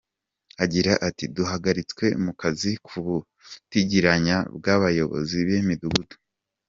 Agira ati “Duhagaritswe mu kazi ku butiriganya bw’abayobozi b’imidugudu.